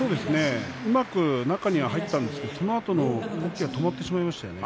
うまく中には入ったんですが、そのあと動きが止まってしまいましたよね。